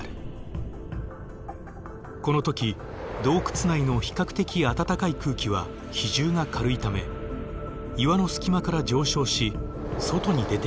この時洞窟内の比較的暖かい空気は比重が軽いため岩の隙間から上昇し外に出ていく。